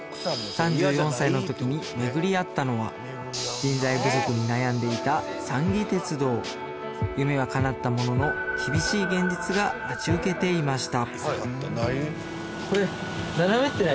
３４歳のときに巡り会ったのは人材不足に悩んでいた三岐鉄道夢はかなったものの厳しい現実が待ち受けていました